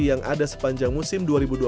yang ada sepanjang musim dua ribu dua puluh